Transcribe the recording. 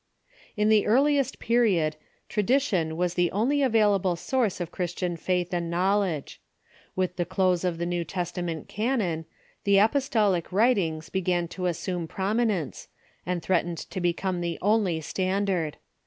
In the earliest period, tradition was the only available source of Christian faith and knowledge. With the close of the New Testament canon, the apostolic writings began to assume prom inence, and threatened to become the only standard.